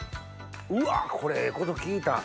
うわっこれええこと聞いた。